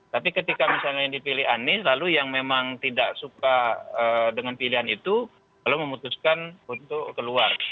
tapi ketika misalnya yang dipilih anies lalu yang memang tidak suka dengan pilihan itu lalu memutuskan untuk keluar